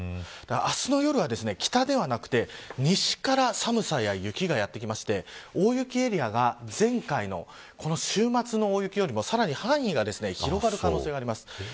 明日の夜は北ではなくて西から寒さや雪がやってきまして大雪エリアが前回のこの週末の大雪よりさらに範囲が広がる可能性があります。